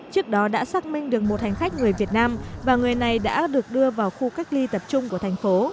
trước đó đã xác minh được một hành khách người việt nam và người này đã được đưa vào khu cách ly tập trung của thành phố